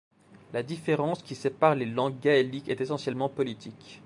La différence qui sépare les langues gaéliques est essentiellement politique.